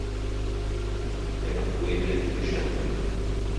È un affluente del fiume Shannon.